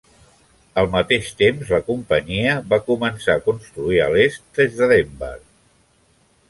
Al mateix temps, la companyia va començar a construir a l'est des de Denver.